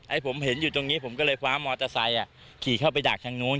ผมเห็นอยู่ตรงนี้ผมก็เลยคว้ามอเตอร์ไซค์ขี่เข้าไปจากทางนู้น